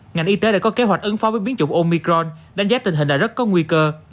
ngành y tế đã có kế hoạch ứng phó với biến chủng omicron đánh giá tình hình này rất có nguy cơ